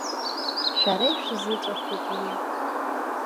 Шәара ишәзыҵәахуп уи.